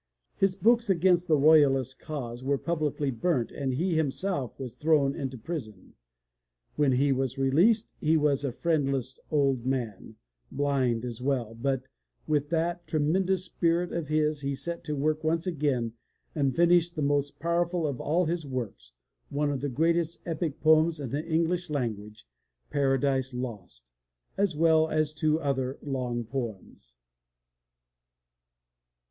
His books against the Royalist cause were publicly burnt and he himself was thrown into prison. When he was released, he was a friendless old man, blind as well, but with that tremendous spirit of his he set to work once again and finished the most powerful of all his works, one of the greatest epic poems in the English lang uage — Paradise Lost, as well as two other long poems.